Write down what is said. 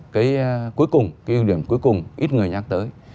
cái cuối cùng cái ưu điểm cuối cùng ít người nhắc tới